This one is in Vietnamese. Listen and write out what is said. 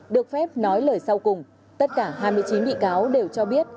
được phép nói lời sau cùng tất cả hai mươi chín bị cáo đều cho biết